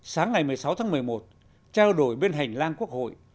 sáng ngày một mươi sáu tháng một mươi một trao đổi bên hành lang quốc hội